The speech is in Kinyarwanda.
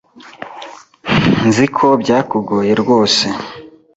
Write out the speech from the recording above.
Nzi ko byakugoye rwose.